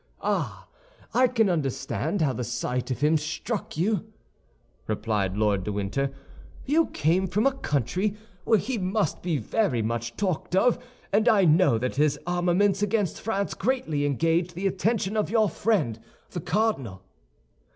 Ah, I can understand how the sight of him struck you," replied Lord de Winter. "You came from a country where he must be very much talked of, and I know that his armaments against France greatly engage the attention of your friend the cardinal."